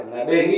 là đề nghị